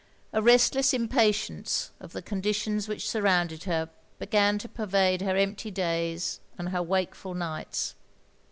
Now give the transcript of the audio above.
A restless impatience of the conditions which surrotmded her began to pervade her empty days and her wakeful nights.